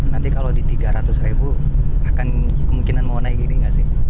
nanti kalau di rp tiga ratus akan kemungkinan mau naik gini gak sih